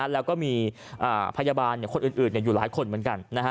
แล้วก็มีพยาบาลคนอื่นอยู่หลายคนเหมือนกัน